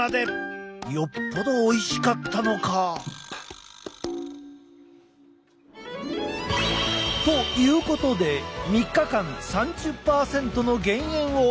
よっぽどおいしかったのか？ということで３日間３０％の減塩を見事達成！